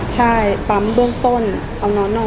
ใช่ปั๊มเบื้องต้น